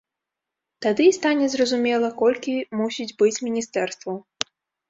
Тады і стане зразумела, колькі мусіць быць міністэрстваў.